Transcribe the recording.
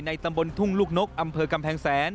ตำบลทุ่งลูกนกอำเภอกำแพงแสน